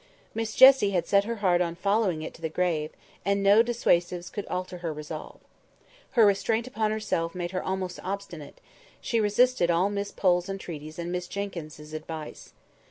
Miss Jessie had set her heart on following it to the grave; and no dissuasives could alter her resolve. Her restraint upon herself made her almost obstinate; she resisted all Miss Pole's entreaties and Miss Jenkyns' advice.